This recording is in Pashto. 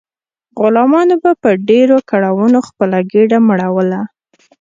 غلامانو به په ډیرو کړاوونو خپله ګیډه مړوله.